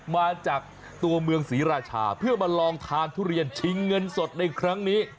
มาจากตัวเมืองศรีราชาเพื่อมาลองทานทุเรียนชิงเงินสดในครั้งนี้